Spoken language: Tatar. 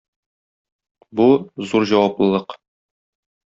Бу - зур җаваплылык.